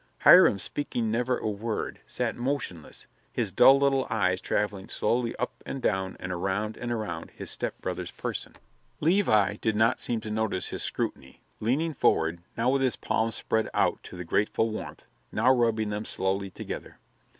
Hiram, speaking never a word, sat motionless, his dull little eyes traveling slowly up and down and around and around his stepbrother's person. Levi did not seem to notice his scrutiny, leaning forward, now with his palms spread out to the grateful warmth, now rubbing them slowly together.